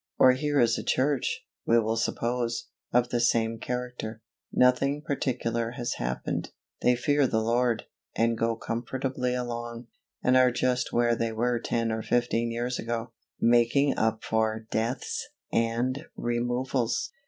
Or here is a Church, we will suppose, of the same character nothing particular has happened; they fear the Lord, and go comfortably along, and are just where they were ten or fifteen years ago, making up for deaths and removals.